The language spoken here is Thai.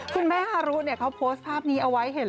คุณแม่ฮารุเนี่ยเขาโพสต์ภาพนี้เอาไว้เห็น